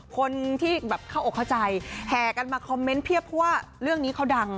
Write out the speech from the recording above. คนที่แบบเข้าอกเข้าใจแห่กันมาคอมเมนต์เพียบเพราะว่าเรื่องนี้เขาดัง